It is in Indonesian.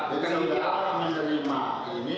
jadi saudara menerima ini dari penyelidik